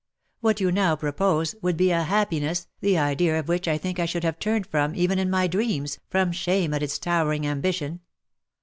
What you now propose, would be a happiness, the idea of which I think I should have turned from, even in my dreams, from shame at its towering am bition.